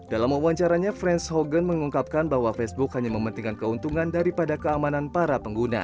dalam wawancaranya franz hogan mengungkapkan bahwa facebook hanya mementingkan keuntungan daripada keamanan para pengguna